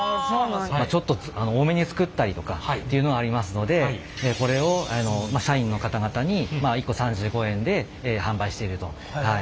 ちょっと多めに作ったりとかっていうのがありますのでこれを社員の方々に１個３５円で販売していると。